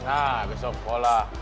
nah besok sekolah